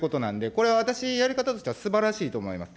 これは私、やり方としてはすばらしいと思います。